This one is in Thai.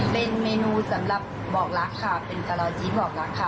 เป็นเมนูสำหรับบอกรักค่ะเป็นกะรอยจี้บอกรักค่ะ